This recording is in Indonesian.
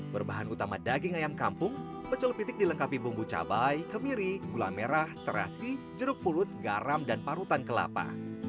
berbahan utama daging ayam kampung pecel pitik dilengkapi bumbu cabai kemiri gula merah terasi jeruk pulut garam dan parutan kelapa